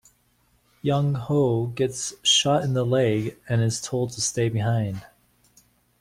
Yong-ho gets shot in the leg and is told to stay behind.